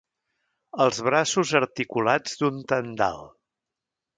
Els braços articulats d'un tendal.